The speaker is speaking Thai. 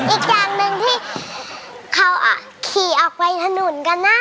อีกอย่างหนึ่งที่เขาขี่ออกไปถนนกันนะ